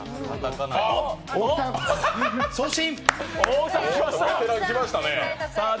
送信！